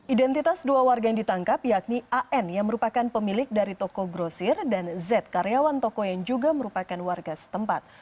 identitas dua warga yang ditangkap yakni an yang merupakan pemilik dari toko grosir dan z karyawan toko yang juga merupakan warga setempat